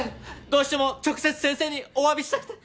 どうしても直接先生にお詫びしたくて。